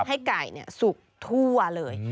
ให้ไก่สุกทั่วเลย